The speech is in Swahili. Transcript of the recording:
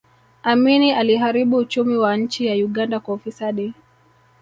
amini aliharibu uchumi wa nchi ya uganda kwa ufisadi